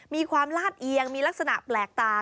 มีความลาดเอียงมีลักษณะแปลกตา